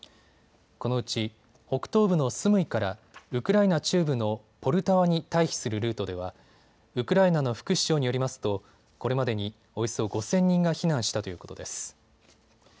このうち、北東部のスムイからウクライナ中部のポルタワに退避するルートではウクライナの副首相によりますとこれまでにおよそ５０００人が避難したということです。